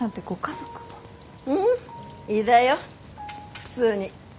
いだよ普通に。